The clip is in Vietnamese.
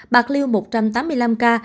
bạc liêu một trăm tám mươi năm ca